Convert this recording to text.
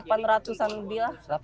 delapan ratus an lebih lah